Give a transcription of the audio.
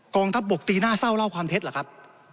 งทัพบกตีหน้าเศร้าเล่าความเท็จเหรอครับ